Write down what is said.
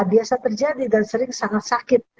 biasa terjadi dan sering sangat sakit